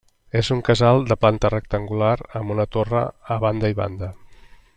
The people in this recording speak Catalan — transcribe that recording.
És un casal de planta rectangular amb una torre a banda i banda.